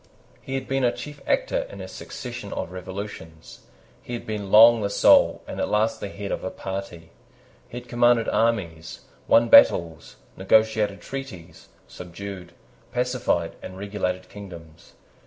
He had been a chief actor in a succession of revolutions. He had been long the soul, and at last the head, of a party. He had commanded armies, won battles, negotiated treaties, subdued, pacified, and regulated kingdoms.